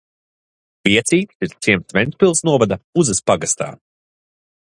Viecītes ir ciems Ventspils novada Puzes pagastā.